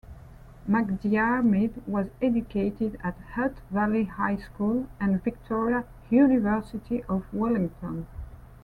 MacDiarmid was educated at Hutt Valley High School and Victoria University of Wellington.